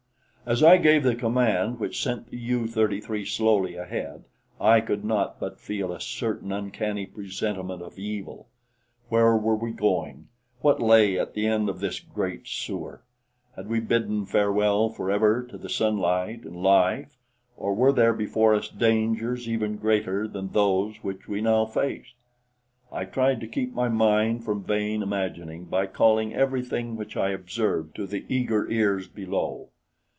As I gave the command which sent the U 33 slowly ahead, I could not but feel a certain uncanny presentiment of evil. Where were we going? What lay at the end of this great sewer? Had we bidden farewell forever to the sunlight and life, or were there before us dangers even greater than those which we now faced? I tried to keep my mind from vain imagining by calling everything which I observed to the eager ears below.